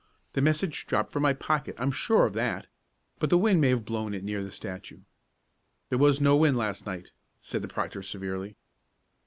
The message dropped from my pocket, I'm sure of that, but the wind may have blown it near the statue." "There was no wind last night," said the proctor severely.